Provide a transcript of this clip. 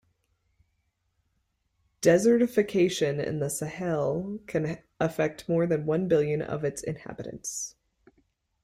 Desertification in the Sahel can affect more than one billion of its inhabitants.